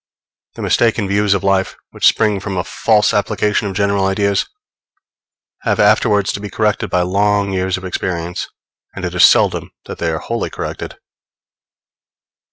The mistaken views of life, which spring from a false application of general ideas, have afterwards to be corrected by long years of experience; and it is seldom that they are wholly corrected.